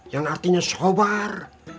yang artinya sobar